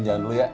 jalan dulu ya